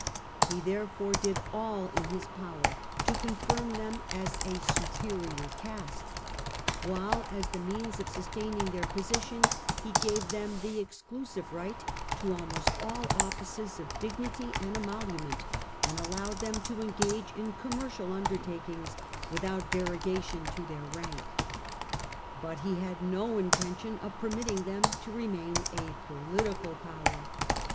He therefore did all in his power to confirm them as a superior caste ; while, as the means of sustaining their position, he gave them the exclusive right to almost all offices of dignity and emolument, and allowed them to engage in com mercial undertakings without derogation to their rank. But he had no intention of permitting them to remain a political power.